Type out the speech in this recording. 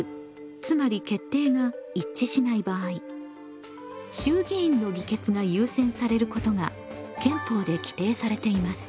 つまり決定が一致しない場合衆議院の議決が優先されることが憲法で規定されています。